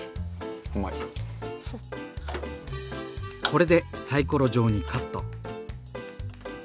これでサイコロ状にカット。